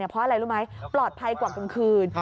เพราะอะไรรู้ไหมปลอดภัยกว่ากลางคืน